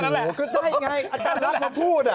แค่นั่นแหละก็ได้ไงอาจารย์ลักษณ์ว่าพูด